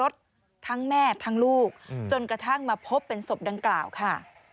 ทั้งแม่ทั้งลูกจนกระทั่งมาพบเป็นศพดังกล่าวค่ะ